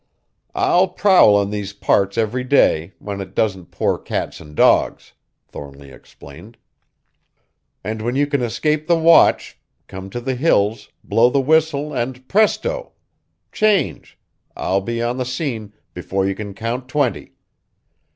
"I'll prowl in these parts every day, when it doesn't pour cats and dogs," Thornly explained; "and when you can escape the watch, come to the Hills, blow the whistle and presto! change! I'll be on the scene before you can count twenty.